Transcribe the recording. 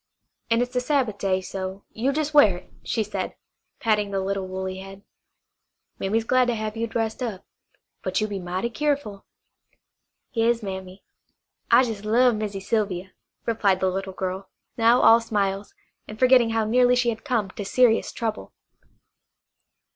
An' it's the Sabbath day, so you jes' wear it," she said, patting the little woolly head. "Mammy's glad to have you dressed up; but you be mighty keerful." "Yas, Mammy. I jes' love Missy Sylvia," replied the little girl, now all smiles, and forgetting how nearly she had come to serious trouble.